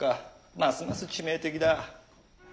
ますます致命的だ。